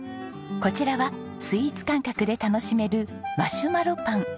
こちらはスイーツ感覚で楽しめるマシュマロパン。